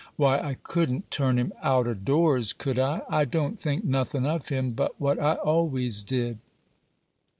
"Why, I couldn't turn him out o' doors, could I? I don't think nothin' of him but what I always did."